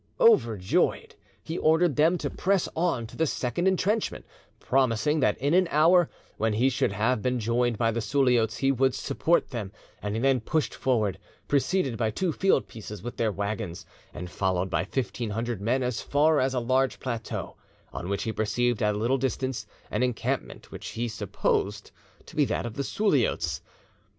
Overjoyed, he ordered them to press on to the second intrenchment, promising that in an hour, when he should have been joined by the Suliots, he would support them, and he then pushed forward, preceded by two field pieces with their waggons, and followed by fifteen hundred men, as far as a large plateau on which he perceived at a little distance an encampment which he supposed to be that of the Suliots.